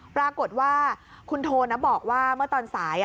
ปรากฏว่าคุณโทนบอกว่าเมื่อตอนสาย